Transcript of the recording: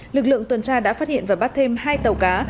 lực lượng tuần tra đã phát hiện và bắt thêm hai tàu cá